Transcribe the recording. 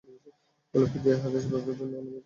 উল্লেখ্য যে, এ হাদীসের ব্যাপারে বিভিন্ন অভিমত পাওয়া যায়।